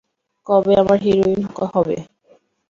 কবে আমার হিরোইন হবে?